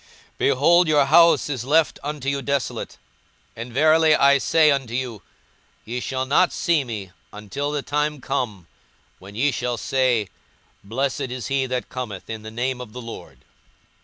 42:013:035 Behold, your house is left unto you desolate: and verily I say unto you, Ye shall not see me, until the time come when ye shall say, Blessed is he that cometh in the name of the Lord.